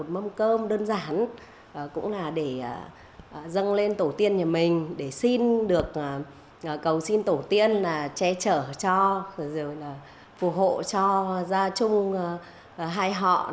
mâm cơm cúng dâng lên tổ tiên trong dịp này cũng rất quan trọng với ý nghĩa bày tỏ lòng biết ơn trân trọng với người đã khuất và mong một năm mới an lành may mắn